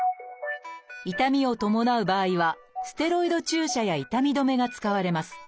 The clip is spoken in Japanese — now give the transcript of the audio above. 痛みを伴う場合はステロイド注射や痛み止めが使われます。